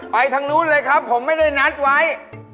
ทางนู้นเลยครับผมไม่ได้นัดไว้